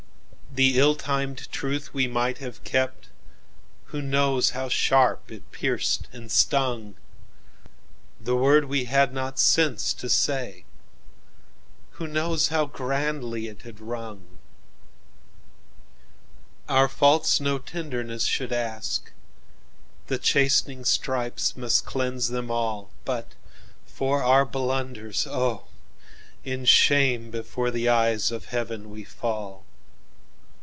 "The ill timed truth we might have kept—Who knows how sharp it pierced and stung? The word we had not sense to say—Who knows how grandly it had rung?"Our faults no tenderness should ask, The chastening stripes must cleanse them all; But for our blunders—oh, in shameBefore the eyes of heaven we fall.